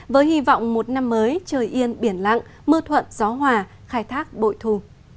với hy vọng một năm mới trời yên biển lặng mưa thuận gió hòa khai thác bội thù